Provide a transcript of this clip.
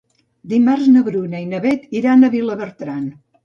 Dimarts na Bruna i na Beth iran a Vilabertran.